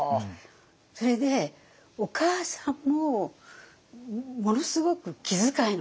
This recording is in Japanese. それでお母さんもものすごく気遣いの人だったんです。